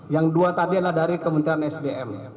yang dua tadi adalah dari kementerian sdm